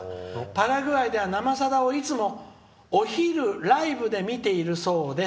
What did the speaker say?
パラグアイでは、『生さだ』をいつもお昼、ライブで見ているそうです。